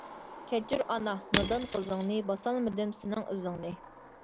كەچۈر ئانا نادان قىزىڭنى باسالمىدىم سېنىڭ ئىزىڭنى.